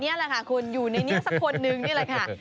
นี่แหละค่ะคุณอยู่ในนี้สักคนนึงนี่แหละค่ะ